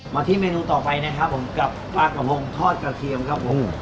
มาที่เมนูต่อไปนะครับผมกับปลากระพงทอดกระเทียมครับผม